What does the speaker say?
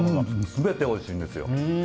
全ておいしいんですよ。